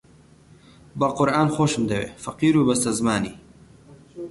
بە قورئان خۆشم دەوێ فەقیر و بەستەزمانی